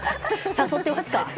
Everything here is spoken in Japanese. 誘ってます。